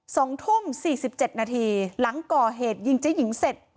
สองทุ่มสี่สิบเจ็ดนาทีหลังก่อเหตุยิงเจ๊หญิงเสร็จ